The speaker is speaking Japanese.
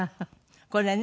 これね。